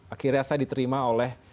akhirnya saya diterima oleh